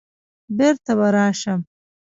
بېرته به راشم